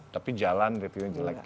tapi jalan reviewnya jelek